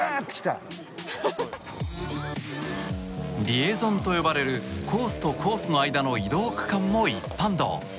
リエゾンと呼ばれるコースとコースの間の移動区間も一般道。